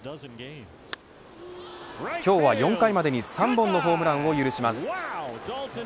今日は４回までに３本のホームランを許します。